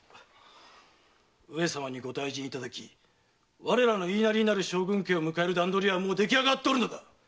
上様にご退陣いただき我らの言いなりになる将軍家を迎える段取りはもう出来上がっておる！